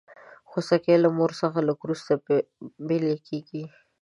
خوسکی له مور څخه لږ وروسته بېل کېږي.